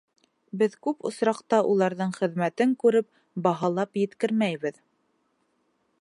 Беҙ күп осраҡта уларҙың хеҙмәтен күреп, баһалап еткермәйбеҙ.